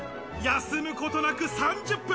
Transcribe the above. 休むことなく３０分。